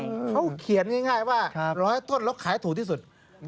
เขาเขียนง่ายว่า๑๐๐ต้นแล้วขายถูกที่สุด